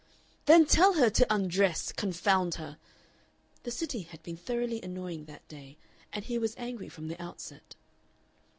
"Then tell her to undress, confound her!" The City had been thoroughly annoying that day, and he was angry from the outset.